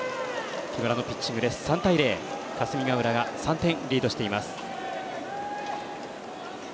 木村のピッチングで霞ヶ浦が３点リードしています。